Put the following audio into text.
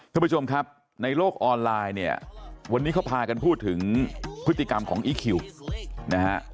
คุณผู้ชมครับในโลกออนไลน์เนี่ยวันนี้เขาพากันพูดถึงพฤติกรรมของอีคคิวนะฮะ